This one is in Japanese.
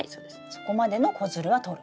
そこまでの子づるはとる。